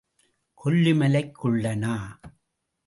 கொல்லிமலைக் குள்ளனா?